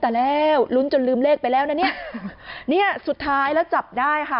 แต่แล้วลุ้นจนลืมเลขไปแล้วนะเนี่ยเนี่ยสุดท้ายแล้วจับได้ค่ะ